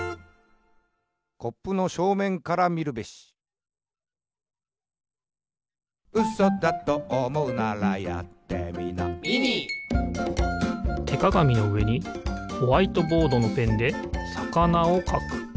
「コップのしょうめんからみるべし。」てかがみのうえにホワイトボードのペンでさかなをかく。